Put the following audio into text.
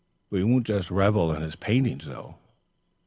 Won't we just revel in his paintings, though!"